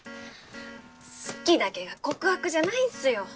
「好き」だけが告白じゃないんすよ